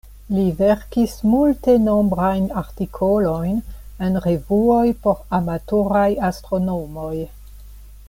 Li verkis multenombrajn artikolojn en revuoj por amatoraj astronomoj.